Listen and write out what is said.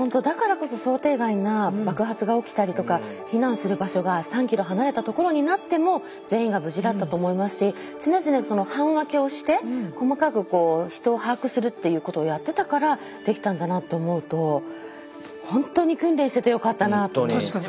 だからこそ想定外な爆発が起きたりとか避難する場所が３ｋｍ離れた所になっても全員が無事だったと思いますし常々班分けをして細かく人を把握するっていうことをやってたからできたんだなと思うとほんとに訓練しててよかったなと思います。